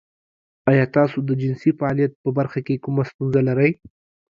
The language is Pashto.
ایا تاسو د جنسي فعالیت په برخه کې کومه ستونزه لرئ؟